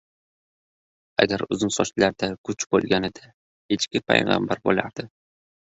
• Agar uzun sochlarda kuch bo‘lganida echki payg‘ambar bo‘lardi.